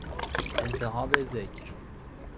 التهاب ذکر